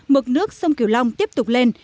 mực nước sông kiều long tiếp tục lên